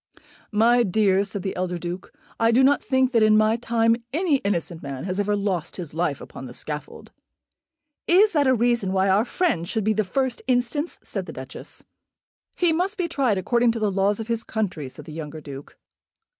"My dear," said the elder Duke, "I do not think that in my time any innocent man has ever lost his life upon the scaffold." "Is that a reason why our friend should be the first instance?" said the Duchess. "He must be tried according to the laws of his country," said the younger Duke.